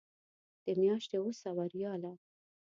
د میاشتې اوه سوه ریاله.